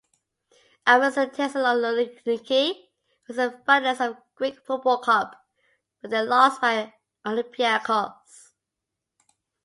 Aris Thessaloniki was the finalist of Greek Football Cup where they lost by Olympiacos.